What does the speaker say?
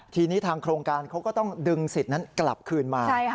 ทีนี้ทางโครงการเขาก็ต้องดึงสิทธิ์นั้นกลับคืนมา